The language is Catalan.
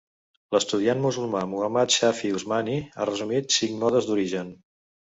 L"estudiant musulmà Muhammad Shafi Usmani ha resumit cinc modes d"origen.